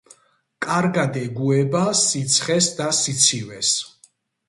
კარგად ეგუება სიცხეს და სიცივეს.